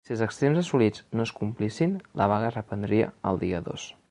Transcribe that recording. Si els extrems assolits no es complissin, la vaga es reprendria el dia dos.